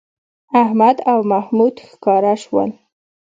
احمد او محمود ښکاره شول